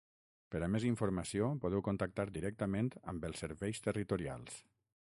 Per a més informació, podeu contactar directament amb els Serveis Territorials.